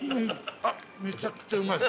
めちゃくちゃうまい。